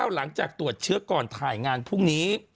หลังจากตรวจเชื้อก่อนถ่ายงานพรุ่งนี้